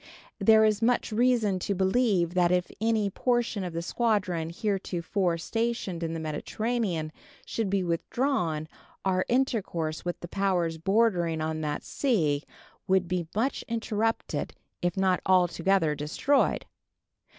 There is much reason to believe that if any portion of the squadron heretofore stationed in the Mediterranean should be withdrawn our intercourse with the powers bordering on that sea would be much interrupted, if not altogether destroyed.